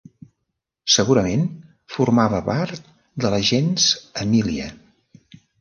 Segurament formava part de la gens Emília.